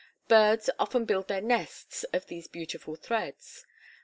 Birds often build their nests of these beautiful threads.